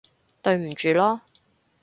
對唔住囉